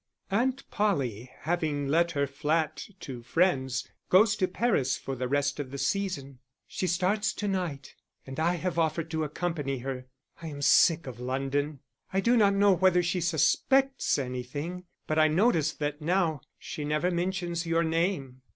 _ _Aunt Polly having let her flat to friends, goes to Paris for the rest of the season. She starts to night, and I have offered to accompany her. I am sick of London. I do not know whether she suspects anything, but I notice that now she never mentions your name.